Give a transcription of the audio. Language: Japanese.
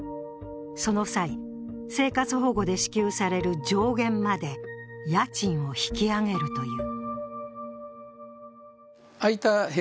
その際、生活保護で支給される上限まで家賃を引き上げるという。